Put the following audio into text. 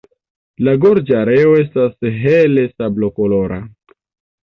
La gorĝareo estas hele sablokolora.